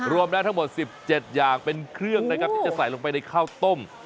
รวมแล้วทั้งหมด๑๗อย่างเป็นเครื่องนะครับที่จะใส่ลงไปในข้าวต้ม